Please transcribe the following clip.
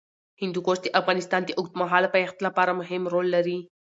هندوکش د افغانستان د اوږدمهاله پایښت لپاره مهم رول لري.